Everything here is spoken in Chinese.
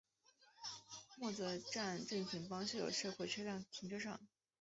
默泽站正前方设有社会车辆停车场。